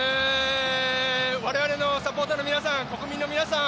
われわれのサポーターの皆さん国民の皆さん